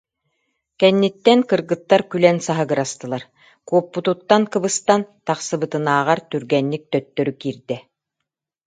Кэнниттэн кыргыттар күлэн саһыгырастылар, куоппутуттан кыбыстан, тахсыбытынааҕар түргэнник төттөрү киирдэ